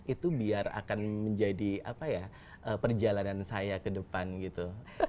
itu biar akan menjadi perjalanan saya ke depan gitu